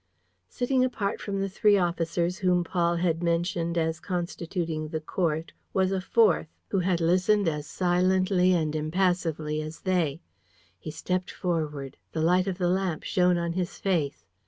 Sitting apart from the three officers whom Paul had mentioned as constituting the court was a fourth, who had listened as silently and impassively as they. He stepped forward. The light of the lamp shone on his face.